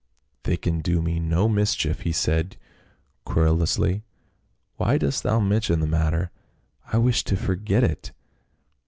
" They can do me no mischief;" he said querulously. "Why dost thou mention the matter ? I wish to forget it."